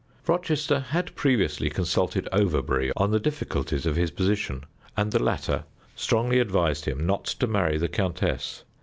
Rochester had previously consulted Overbury on the difficulties of his position, and the latter strongly advised him not to marry the countess.